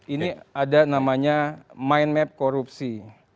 ini ada namanya mind map korupsi